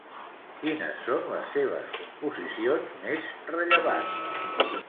Quines són les seves composicions més rellevants?